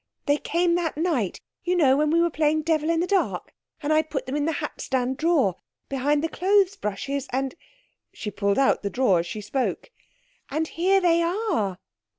they came that night—you know, when we were playing 'devil in the dark'—and I put them in the hat stand drawer, behind the clothes brushes and"—she pulled out the drawer as she spoke—"and here they are!"